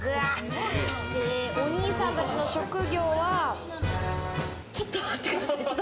お兄さんたちの職業はちょっと待ってください。